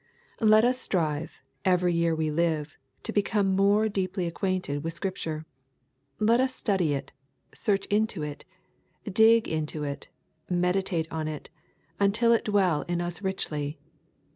Let us strive, every year we live, to become more deeply acquainted with Scripture. Let us study it, search into it, dig into it, meditate on it, until it dwell in us richly.